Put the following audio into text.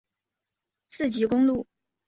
属平原微丘四级公路。